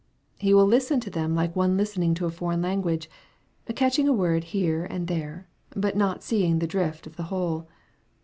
He will listen to them like one listening to a foreign language, catching a word here and there, but not seeing the drift of the whole.